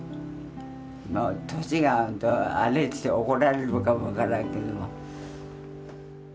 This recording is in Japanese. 年があれといったら怒られるかもわからんけども。